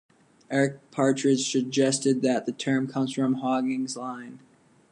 Eric Partridge suggested that the term comes from "hoggins line".